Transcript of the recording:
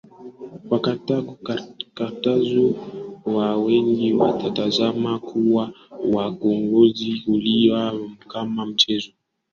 wa Karthago Watu wengi wakatazama Kuua wakosaji kulikuwa kama mchezo